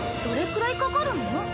どれくらいかかるの？